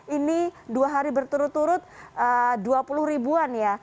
ini dua hari berturut turut dua puluh ribuan ya